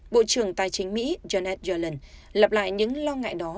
bộ trưởng tài chính mỹ janet yellen lặp lại những lo ngại đó